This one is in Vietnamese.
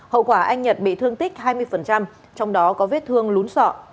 hậu quả anh nhật bị thương tích hai mươi trong đó có vết thương lún sọ